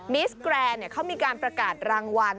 มิสแกรนด์เขามีการประกาศรางวัล